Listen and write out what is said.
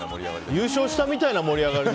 優勝したみたいな盛り上がり。